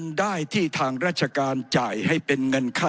ผมจะขออนุญาตให้ท่านอาจารย์วิทยุซึ่งรู้เรื่องกฎหมายดีเป็นผู้ชี้แจงนะครับ